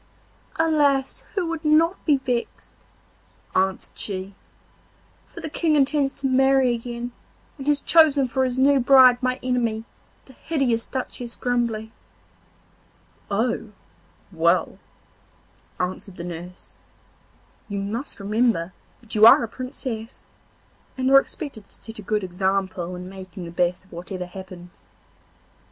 'Alas! who would not be vexed?' answered she, 'for the King intends to marry again, and has chosen for his new bride my enemy, the hideous Duchess Grumbly.' 'Oh, well!' answered the nurse, 'you must remember that you are a Princess, and are expected to set a good example in making the best of whatever happens.